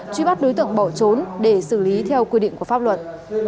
truy bắt đối tượng bỏ trốn để xử lý theo quy định của pháp luật